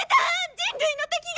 人類の敵が！